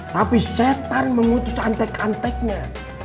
tapi setan memutus antek anteknya